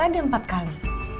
ada empat kali